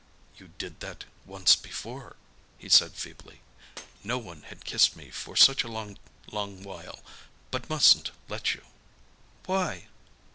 "You did that once before," he said feebly. "No one had kissed me for such a long, long while. But mustn't let you." "Why?"